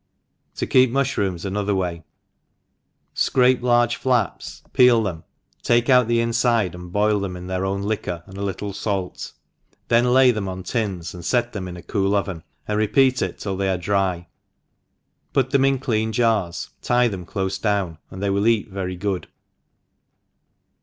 To keep Mushrooms another Way. SCRAPE large flaps, peel them, take out the infide, and boil them in their own liquor and a little fait, then lay them in tins, and fet them in a cool ovon, and repeat it till they are dry i put them in clean jars, tie them clofe down^ gnd they will eat very good.